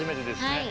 はい。